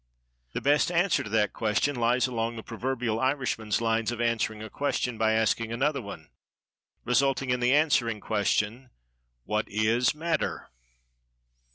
The best answer to that question lies along the proverbial Irishman's lines of answering a question by asking another one, resulting in the "answering question," "What is Matter?"